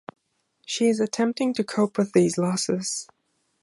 She is attempting to cope with these losses.